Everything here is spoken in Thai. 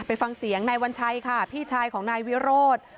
ไปฟังเสียงนายวัญชัยค่ะพี่ชายของนายวิโรธ